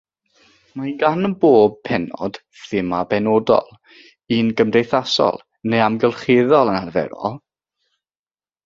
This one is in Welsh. Mae gan bob pennod thema benodol, un gymdeithasol neu amgylcheddol yn arferol.